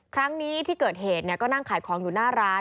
ครั้งนี้ที่เกิดเหตุก็นั่งขายของอยู่หน้าร้าน